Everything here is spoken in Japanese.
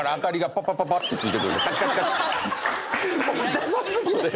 ダサ過ぎる！